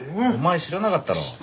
お前知らなかったろ？